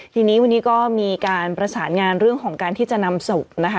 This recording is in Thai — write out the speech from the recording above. ทีนี้วันนี้ก็มีการประสานงานเรื่องของการที่จะนำศพนะคะ